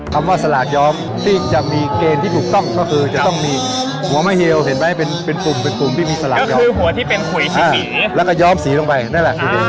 คำว่าสลากย้อมที่จะมีเกณฑ์ที่ถูกต้องก็คือจะต้องมีหัวไม่เฮียวเห็นไหมเป็นปุ่มเป็นปุ่มที่มีสลากย้อมคือหัวที่เป็นขุยที่สีแล้วก็ย้อมสีลงไปนั่นแหละ